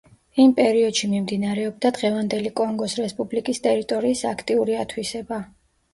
იმ პერიოდში მიმდინარეობდა დღევანდელი კონგოს რესპუბლიკის ტერიტორიის აქტიური ათვისება.